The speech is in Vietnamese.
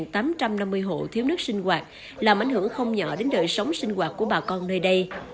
đó là bốn trăm năm mươi hộ thiếu nước sinh hoạt làm ảnh hưởng không nhỏ đến đời sống sinh hoạt của bà con nơi đây